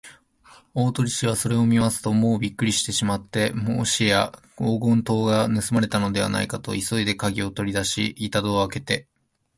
大鳥氏はそれを見ますと、もうびっくりしてしまって、もしや黄金塔がぬすまれたのではないかと、急いでかぎをとりだし、板戸をあけて